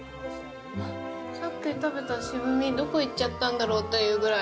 さっき食べた渋み、どこいっちゃったんだろうというくらい。